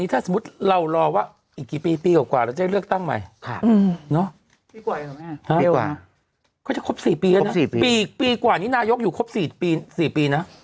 ถ้าสมมุติเรารอว่าอีกกี่ปีปีกว่ากว่าเราจะเลือกตั้งใหม่ค่ะเนาะก็จะครบ๔ปีอีกปีกว่านี้นายกอยู่ครบ๔ปี๔ปีนะ